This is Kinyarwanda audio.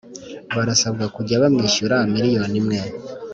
barasabwa kujya bamwishyura miliyoni imwe